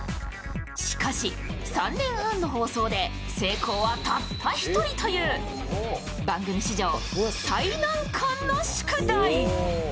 しかし、３年半の放送で成功はたったり１人という、番組史上最難関の宿題。